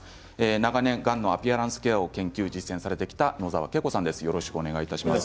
長年、がんのアピアランスケアを研究実践されてきた野澤桂子さんです。